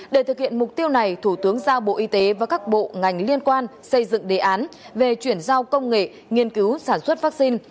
để thực hiện mục tiêu này thủ tướng giao bộ y tế và các bộ ngành liên quan xây dựng đề án về chuyển giao công nghệ nghiên cứu sản xuất vaccine